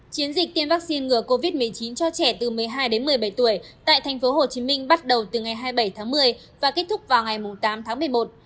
chiến dịch tiêm vaccine ngừa covid một mươi chín cho trẻ từ một mươi hai đến một mươi bảy tuổi tại tp hcm bắt đầu từ ngày hai mươi bảy tháng một mươi và kết thúc vào ngày tám tháng một mươi một